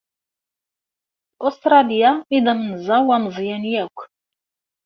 D Ustṛalya ay d amenẓaw ameẓyan akk.